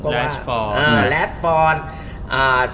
แรสฟอร์ท